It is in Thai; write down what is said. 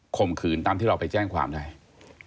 มขืนตามที่เราไปแจ้งความได้